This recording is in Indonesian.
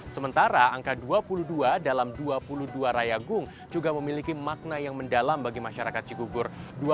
sementara angka dua puluh dua dalam dua puluh dua rayagung juga memiliki makna yang mendalam bagi masyarakat cigugur